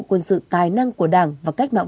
quân sự tài năng của đảng và cách mạng